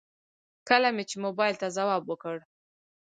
کله مې چې موبايل ته ځواب وکړ.